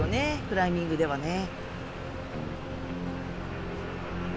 クライミングではね。